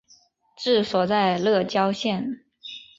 治所在乐郊县。